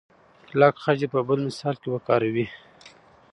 کلک خج دې په بل مثال کې وکاروئ.